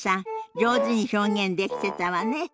上手に表現できてたわね。